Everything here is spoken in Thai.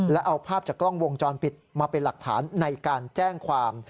และเอาภาพจากกล้องวงจรปิดมาเป็นหลักฐานในการแจ้งความ